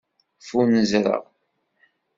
Ffunzreɣ.